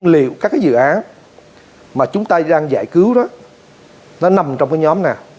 liệu các cái dự án mà chúng ta đang giải cứu đó nó nằm trong cái nhóm nào